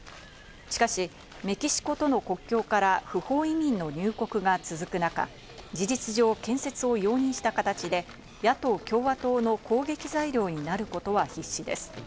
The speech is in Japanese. しかしメキシコとの国境から不法移民の入国が続く中、事実上、建設を容認した形で、野党・共和党の攻撃材料になることは必至です。